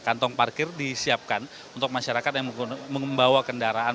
kantong parkir disiapkan untuk masyarakat yang membawa kendaraan